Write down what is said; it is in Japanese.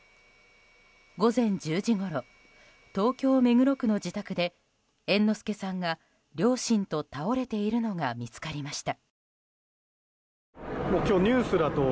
午前１０時ごろ東京・目黒区の自宅で猿之助さんが両親と倒れているのが見つかりました。